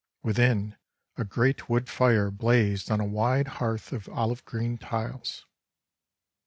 Within, a great wood fire blazed on a wide hearth of olive green tiles.